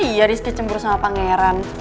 masa iya rizky cemburu sama pangeran